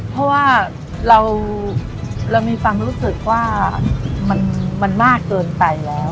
เพราะว่าเรามีความรู้สึกว่ามันมากเกินไปแล้ว